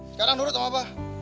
sekarang duduk sama abah